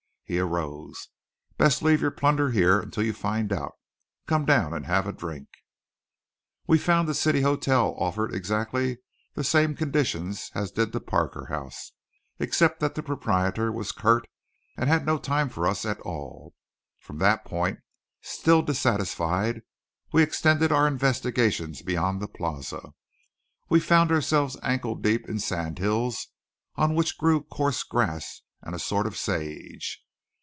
He arose. "Best leave your plunder here until you find out. Come down and have a drink?" We found the City Hotel offered exactly the same conditions as did the Parker House; except that the proprietor was curt and had no time for us at all. From that point, still dissatisfied, we extended our investigations beyond the Plaza. We found ourselves ankle deep in sandhills on which grew coarse grass and a sort of sage.